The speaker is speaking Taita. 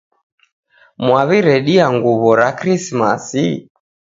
Mwaw'iredia nguw'o ra Krismasi?